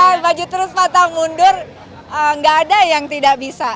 ya maju terus patah mundur enggak ada yang tidak bisa